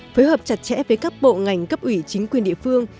phối hợp chặt chẽ với các bộ ngành cấp ủy chính quyền địa phương